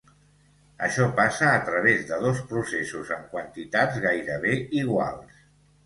Això passa a través de dos processos en quantitats gairebé iguals.